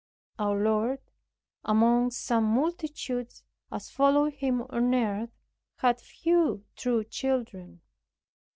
Our Lord, among such multitudes as followed Him on earth, had few true children.